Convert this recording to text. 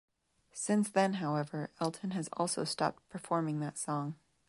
Since then, however, Elton has also stopped performing that song.